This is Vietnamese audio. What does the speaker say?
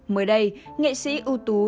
mới đây nghệ sĩ u tùy